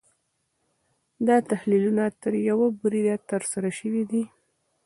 دا تحلیلونه تر یوه بریده ترسره شوي دي.